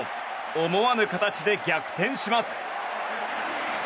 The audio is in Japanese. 思わぬ形で逆転します。